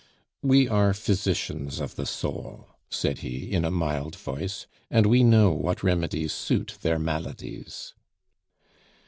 "We are physicians of the soul," said he, in a mild voice, "and we know what remedies suit their maladies."